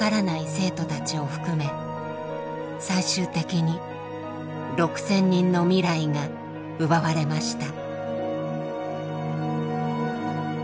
生徒たちを含め最終的に６，０００人の未来が奪われました。